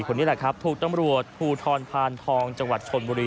คนนี้แหละครับถูกตำรวจภูทรพานทองจังหวัดชนบุรี